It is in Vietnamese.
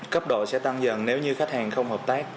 cấp độ sẽ tăng dần nếu như khách hàng không hợp tác